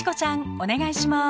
お願いします。